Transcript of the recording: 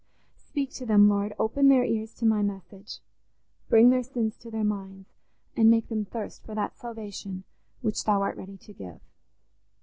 Speak to them, Lord, open their ears to my message, bring their sins to their minds, and make them thirst for that salvation which Thou art ready to give.